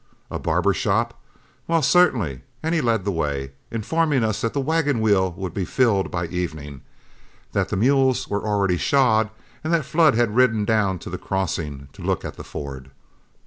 A barber shop? Why, certainly; and he led the way, informing us that the wagon wheel would be filled by evening, that the mules were already shod, and that Flood had ridden down to the crossing to look at the ford.